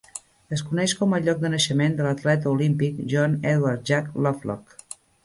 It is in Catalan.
Es coneix com el lloc de naixement de l'atleta olímpic John Edward "Jack" Lovelock.